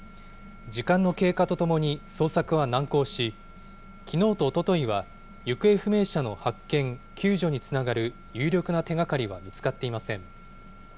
時間の経過とともに捜索は難航し、きのうとおとといは、行方不明者の発見・救助につながる有力な手がかりは見つかっていません。